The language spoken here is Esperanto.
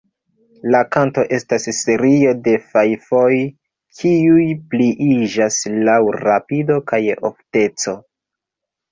La kanto estas serio de fajfoj kiuj pliiĝas laŭ rapido kaj ofteco.